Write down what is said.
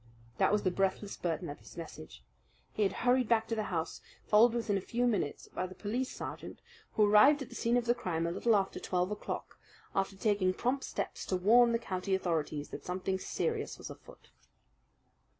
That was the breathless burden of his message. He had hurried back to the house, followed within a few minutes by the police sergeant, who arrived at the scene of the crime a little after twelve o'clock, after taking prompt steps to warn the county authorities that something serious was afoot.